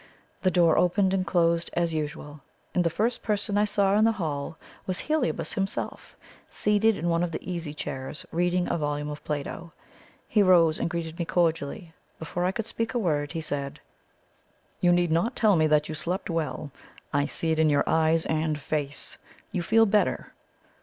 The door opened and closed as usual, and the first person I saw in the hall was Heliobas himself, seated in one of the easy chairs, reading a volume of Plato. He rose and greeted me cordially. Before I could speak a word, he said: "You need not tell me that you slept well. I see it in your eyes and face. You feel better?"